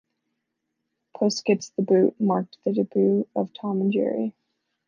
"Puss Gets the Boot" marked the debut of Tom and Jerry.